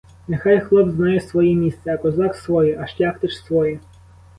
Нехай хлоп знає своє місце, а козак своє, а шляхтич своє.